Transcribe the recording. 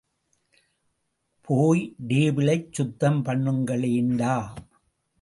போய் டேபிளைச் சுத்தம் பண்ணுங்களேண்டா!...